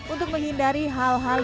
untuk menghindari hal hal